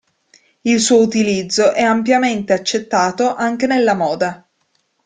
Il suo utilizzo è ampiamente accettato anche nella moda.